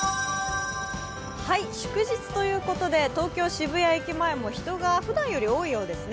祝日ということで、東京・渋谷駅前も人がふだんより多いようですね。